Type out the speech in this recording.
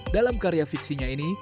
dalam karya fiksinya ini